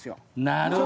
なるほど。